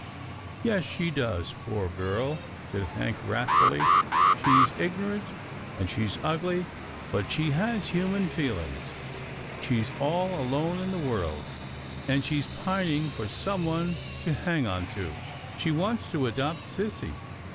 " Yes she does, poor girl," said Hank wrathfuUy. " She's ignorant, and she's ugly, but she has human feelings. She's all alone in the world, and she's HANK BREAKS IMPORTANT NEWS 321 pining for some one to hang on to. She wants to adopt sissy.